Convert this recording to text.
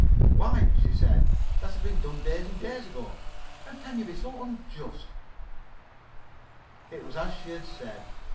"Why," she said, "that has been done days and days ago! How can you be so unjust?" It was as she had said.